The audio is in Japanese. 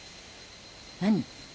何？